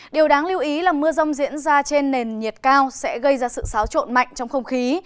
điều đáng lưu ý là mưa rông diễn ra trên nền nhiệt cao sẽ gây ra sự xáo trộn mạnh trong không khí